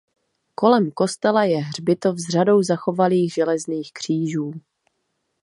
Kolem kostela je hřbitov s řadou zachovalých železných křížů.